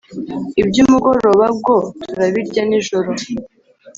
ibyumugoroba bwo turabirya nijoro